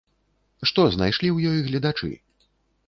Што знайшлі ў ёй гледачы?